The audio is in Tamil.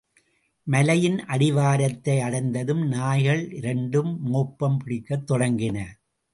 மலையின் அடிவாரத்தை அடைந்ததும், நாய்கள் இாண்டும் மோப்பம் பிடிக்கத் தொடங்கின.